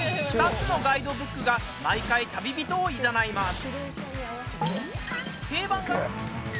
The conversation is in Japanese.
２つのガイドブックが毎回、旅人をいざないます。